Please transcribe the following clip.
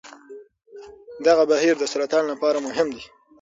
دغه بهیر د سرطان لپاره مهم دی.